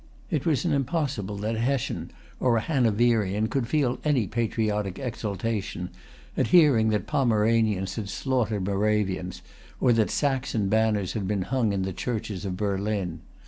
It was impossible that a Hessian or a Hanoverian could feel any patriotic exultation at hearing that Pomeranians had slaughtered Moravians, or that Saxon banners had been hung in the churches of Berlin.